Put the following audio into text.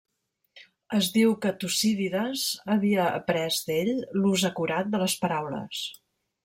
Es diu que Tucídides havia après d'ell l'ús acurat de les paraules.